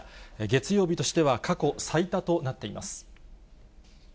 月曜日としては過去最多となっています。